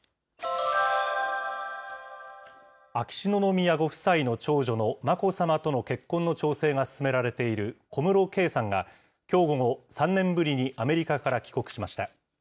秋篠宮ご夫妻の長女の眞子さまとの結婚の調整が進められている小室圭さんが、きょう午後、３年ぶりにアメリカから帰国しました。